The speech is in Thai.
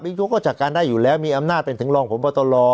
บิ๊กโจ๊กก็จัดการได้อยู่แล้วมีอำหน้าเป็นถึงรองผมพอตัวรอ